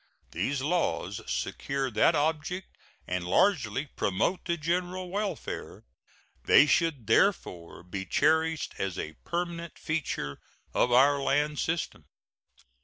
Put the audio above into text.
These laws secure that object and largely promote the general welfare. They should therefore be cherished as a permanent feature of our land system.